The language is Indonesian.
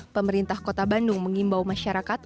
pemerintah kota bandung mengimbau masyarakat